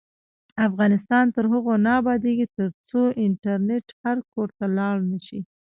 افغانستان تر هغو نه ابادیږي، ترڅو انټرنیټ هر کور ته لاړ نشي.